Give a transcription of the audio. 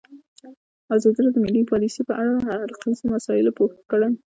ازادي راډیو د مالي پالیسي په اړه د هر اړخیزو مسایلو پوښښ کړی.